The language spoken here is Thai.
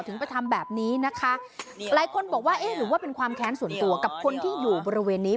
ไปทำแบบนี้นะคะหลายคนบอกว่าเอ๊ะหรือว่าเป็นความแค้นส่วนตัวกับคนที่อยู่บริเวณนี้